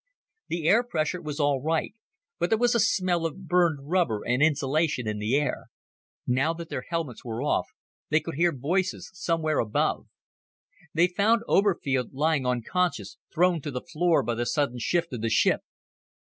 The air pressure was all right, but there was a smell of burned rubber and insulation in the air. Now that their helmets were off, they could hear voices somewhere above. They found Oberfield lying unconscious, thrown to the floor by the sudden shift of the ship.